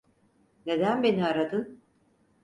Neden beni aradın?